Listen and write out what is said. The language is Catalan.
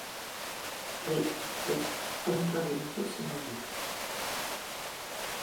Ric, ric, em rebento si no ho dic.